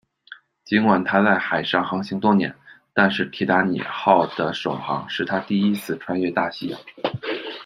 尽管他在海上航行多年，但是铁达尼号的首航是他第一次穿越大西洋。